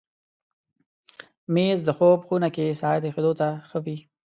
مېز د خوب خونه کې ساعت ایښودو ته ښه وي.